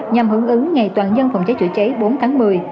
nhằm hưởng ứng ngày toàn dân phòng cháy chữa cháy bốn tháng một mươi